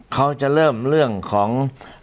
เขาจะเริ่มเรื่องของ